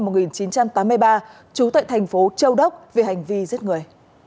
trần văn nam sinh năm một nghìn chín trăm tám mươi ba chú tại thành phố châu đốc về hành vi giết người